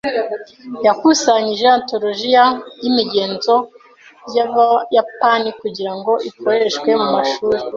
Yakusanyije antologiya y’imigenzo y’Abayapani kugira ngo ikoreshwe mu mashuri.